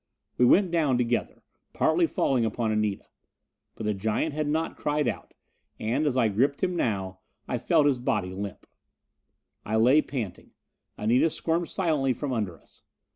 We went down together, falling partly upon Anita. But the giant had not cried out, and as I gripped him now, I felt his body limp. I lay panting. Anita squirmed silently from under us.